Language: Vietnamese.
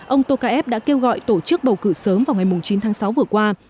ông tokayev đã kêu gọi tổ chức bầu cử sớm vào ngày chín tháng sáu vừa qua